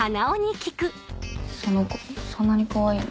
その子そんなにかわいいの？